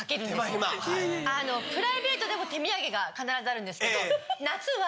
プライベートでも手土産が必ずあるんですけど。